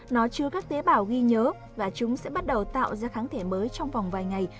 nó chứa các tế bào ghi nhớ và chúng sẽ bắt đầu tạo ra kháng thể mới trong vòng vài ngày